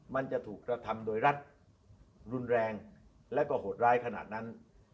มันจะถูกกระทำโดยรัฐรุนแรงและก็โหดร้ายขนาดนั้น